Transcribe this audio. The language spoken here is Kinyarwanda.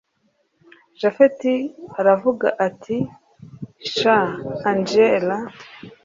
japhet aravuga ati shn angella